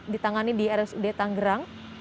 ditangani di rsud tanggerang